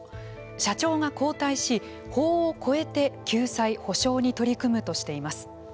社長が交代し、法を超えて救済・補償に取り組むとしています。